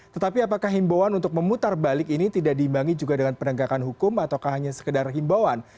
tetapi apakah himbauan untuk memutar balik ini tidak diimbangi juga dengan penegakan hukum atau hanya sekedar himbauan